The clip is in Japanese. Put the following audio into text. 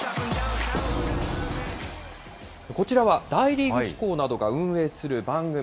こちらは大リーグ機構などが運営する番組。